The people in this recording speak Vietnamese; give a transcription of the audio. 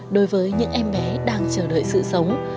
đối với những em bé đang chờ đợi sự sống